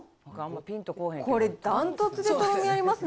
これ、ダントツでとろみありますね。